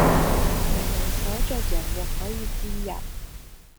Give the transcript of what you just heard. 明明寫着人肉可以煎喫；